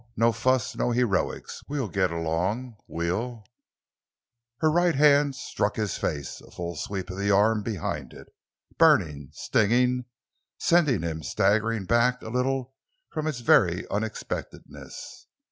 No fuss, no heroics. We'll get along; we'll——" Her right hand struck his face—a full sweep of the arm behind it—burning, stinging, sending him staggering back a little from its very unexpectedness.